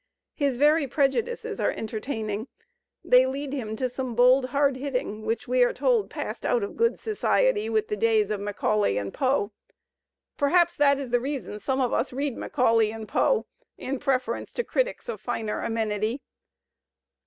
His very prejudices are entertaining; they lead him to some bold hard hitting which, we are told, passed out of good society with the days of Macaulay and Poe; perhaps that is the reason some of us read Macaulay and Poe in preference to critics of finer amenity.